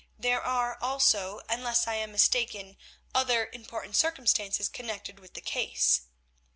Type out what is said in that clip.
There are, also, unless I am mistaken, other important circumstances connected with the case.